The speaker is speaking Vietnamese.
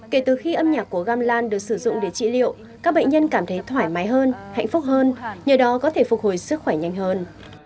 kể từ khi âm nhạc của gamlan được sử dụng để trị liệu các bệnh nhân cảm thấy thoải mái hơn hạnh phúc hơn nhờ đó có thể phục hồi sức khỏe nhanh hơn